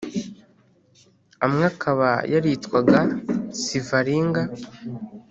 amwe akaba yaritwaga sivalinga